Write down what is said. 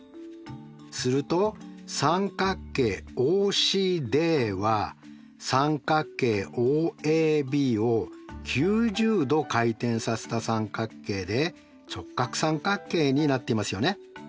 すると三角形ＯＣＤは三角形ＯＡＢを９０°回転させた三角形で直角三角形になっていますよね。